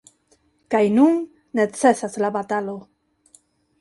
Kaj nun necesas la batalo.